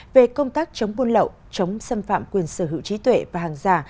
về công tác chống buôn lậu chống xâm phạm quyền sở hữu trí tuệ và hàng giả